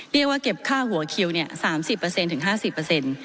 เรียกว่าเก็บค่าหัวคิวเนี่ยสามสิบเปอร์เซ็นต์ถึงห้าสิบเปอร์เซ็นต์